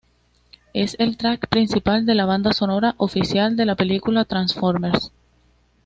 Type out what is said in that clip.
Es el track principal de la banda sonora oficial de la película de Transformers.